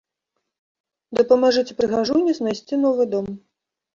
Дапамажыце прыгажуні знайсці новы дом!